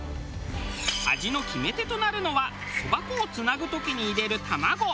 味の決め手となるのはそば粉をつなぐ時に入れる卵！